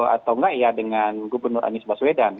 atau enggak ya dengan gubernur anies baswedan